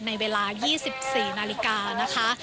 ในเวลา๒๔นาฬิกานะคะ